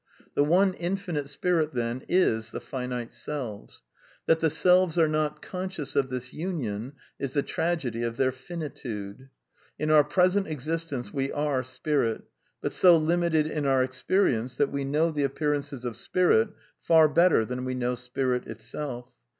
The one Infinite Spirit^ then, is the finite selves. That the selves are not conscious of this union is the tragedy of their finituda In our present existence we are spirit ; but so limited in our experience that we know the appearances of Spirit far better than we know Spirit itsdf.